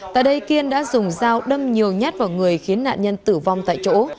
tại đây kiên đã dùng dao đâm nhiều nhát vào người khiến nạn nhân tử vong tại chỗ